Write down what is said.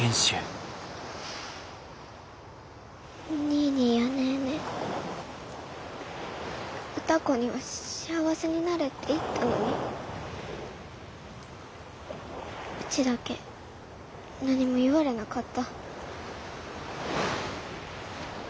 ニーニーやネーネー歌子には「幸せになれ」って言ったのにうちだけ何も言われなかった。